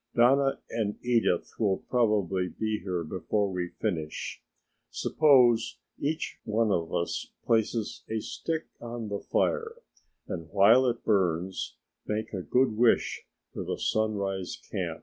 Donna and Edith will probably be here before we finish. Suppose each one of us places a stick on the fire and while it burns make a good wish for the Sunrise Camp.